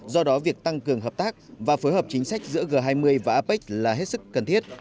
do đó việc tăng cường hợp tác và phối hợp chính sách giữa g hai mươi và apec là hết sức cần thiết